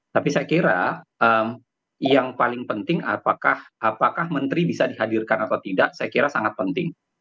tapi saya kira yang paling penting apakah menteri bisa dihadirkan atau tidak saya kira sangat penting